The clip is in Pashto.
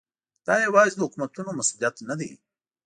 دا یوازې د حکومتونو مسؤلیت نه دی.